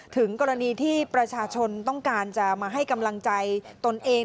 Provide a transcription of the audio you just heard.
ถึงกรณีที่ประชาชนต้องการจะมาให้กำลังใจตนเอง